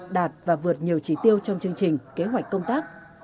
đạt và vượt nhiều trí tiêu trong chương trình kế hoạch công tác